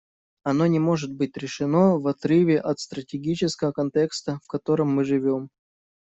Оно не может быть решено в отрыве от стратегического контекста, в котором мы живем.